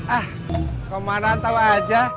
ah kumanan tau aja